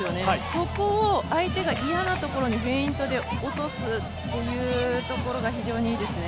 そこを相手が嫌なところにフェイントで落とすというところが非常にいいですね。